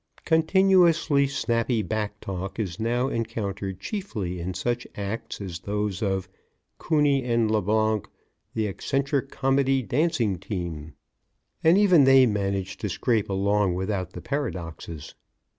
Continuously snappy back talk is now encountered chiefly in such acts as those of "Cooney & LeBlanc, the Eccentric Comedy Dancing Team." And even they manage to scrape along without the paradoxes.